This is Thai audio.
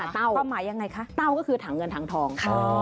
เต้าก็คือถังเงินถังทอง